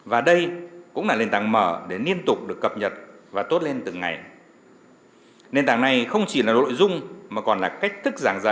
và đây cũng là nền tảng mở để liên tục được cập nhật